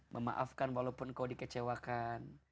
memaafkan walaupun kau dikecewakan